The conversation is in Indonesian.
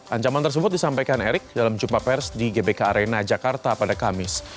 ancaman tersebut disampaikan erick dalam jumpa pers di gbk arena jakarta pada kamis